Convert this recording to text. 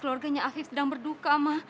keluarganya afif sedang berduka mah